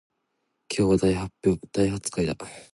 今日は大発会だ